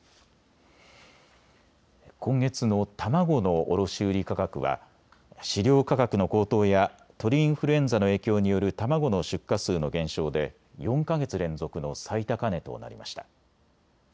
今月の卵の卸売価格は飼料価格の高騰や鳥インフルエンザの影響による卵の出荷数の減少で４か月連続の最高値となりました。